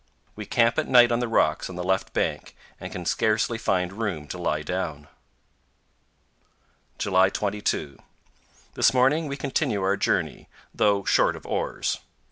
We camp at night on the rocks on the left bank, and can scarcely find room to lie down. July 22. This morning we continue our journey, though short of oars.